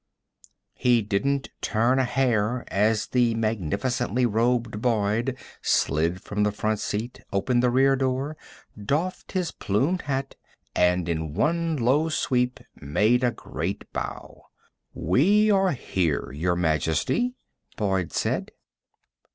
He didn't turn a hair as the magnificently robed Boyd slid from the front seat, opened the rear door, doffed his plumed hat, and in one low sweep made a great bow. "We are here, Your Majesty," Boyd said.